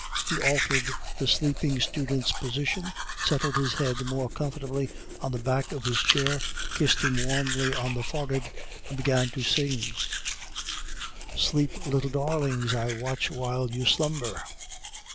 He altered the sleeping student's position, settled his head more comfortably on the back of his chair, kissed him warmly on the forehead, and began to sing: "Sleep, little darlings; I watch while you slumber."